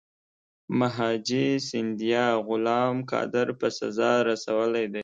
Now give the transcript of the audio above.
مهاجي سیندیا غلام قادر په سزا رسولی دی.